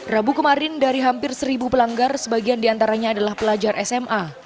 rabu kemarin dari hampir seribu pelanggar sebagian diantaranya adalah pelajar sma